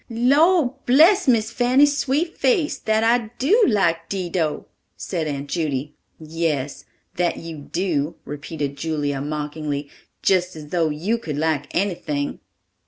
"Lor' bless Miss Fanny's sweet face, that I do like Dido," said Aunt Judy. "Yes, that you do," repeated Julia mockingly, "just as though you could like anything."